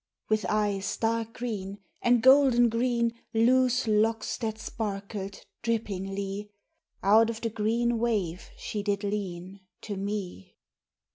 With eyes dark green, and golden green Loose locks that sparkled drippingly, Out of the green wave she did lean To me.